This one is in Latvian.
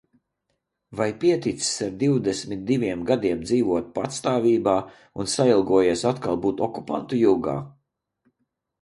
Vai pieticis ar divdesmit diviem gadiem dzīvot patstāvībā un sailgojies atkal būt okupantu jūgā?